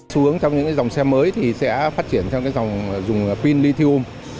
xu hướng trong những dòng xe mới thì sẽ phát triển theo cái dòng dùng pin lithium